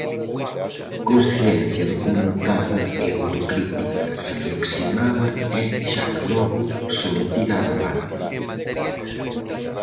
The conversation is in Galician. Consciencia documentada e autocrítica, reflexionada e, xa que logo, sometida a debate.